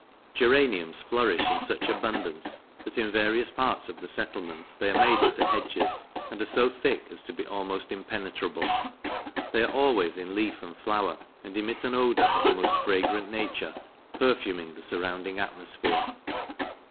Jeraniums flourish in such abundance, that, in various parts of the settlement, they are made into hedges, and are so thick as to be almost impenetrable; they are always in leaf and flower, and emit an odour of the most fragrant nature, perfuming the surrounding atmosphere.